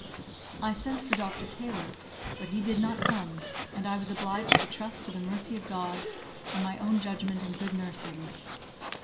I sent for Dr. Taylor; but he did not come, and I was obliged to trust to the mercy of God, and my own judgment and good nursing.